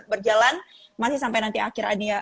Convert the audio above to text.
berjalan masih sampai nanti akhirnya